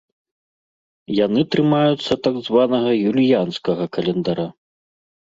Яны трымаюцца так званага юліянскага календара.